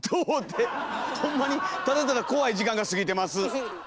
ほんまにただただ怖い時間が過ぎてます。